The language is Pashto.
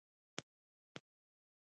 ځينو کسانو پکښې کيندنې هم کړې وې.